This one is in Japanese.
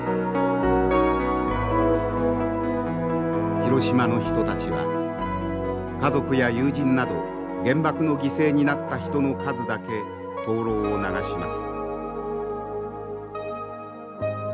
広島の人たちは家族や友人など原爆の犠牲になった人の数だけ灯ろうを流します。